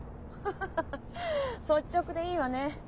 ハハハ率直でいいわね。